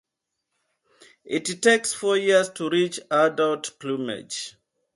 It takes four years to reach adult plumage.